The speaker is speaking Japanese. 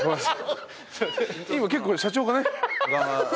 今結構ね社長がね。